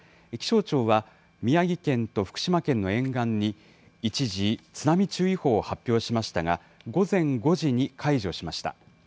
気象庁は、宮城県と福島県の沿岸に一時、津波注意報を発表しましたが、午前５時に解除しました。